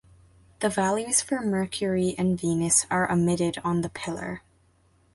The values for Mercury and Venus are omitted on the pillar.